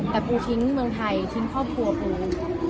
แต่ปูทิ้งเมืองไทยทิ้งครอบครัวปู